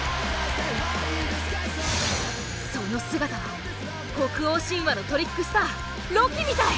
その姿は北欧神話のトリックスターロキみたい！